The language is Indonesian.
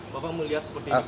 bapak melihat seperti apa